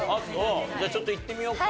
じゃあちょっといってみようか。